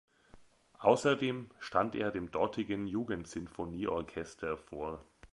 Außerdem stand er dem dortigen Jugendsinfonieorchester vor.